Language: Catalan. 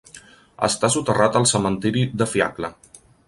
Està soterrat al cementiri de Fiacla.